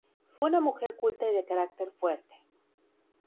Fue una mujer culta y de carácter fuerte.